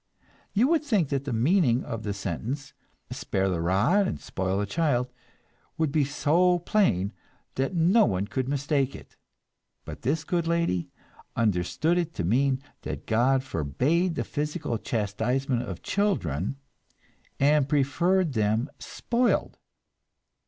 You would think that the meaning of the sentence, "Spare the rod and spoil the child," would be so plain that no one could mistake it; but this good lady understood it to mean that God forbade the physical chastisement of children, and preferred them "spoiled."